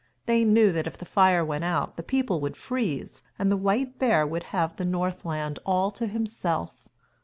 They knew that if the fire went out the people would freeze and the white bear would have the Northland all to himself.